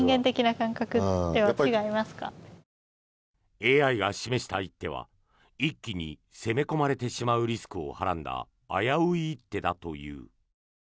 ＡＩが示した一手は一気に攻め込まれてしまうリスクをはらんだ危うい一手だという。